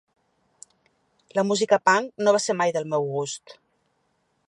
La música Punk no va ser mai del meu gust.